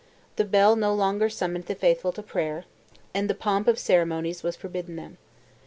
The bell no longer summoned the faithful to prayer; and the pomp of ceremonies was forbidden them.